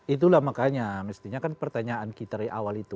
itulah makanya mestinya kan pertanyaan kita dari awal itu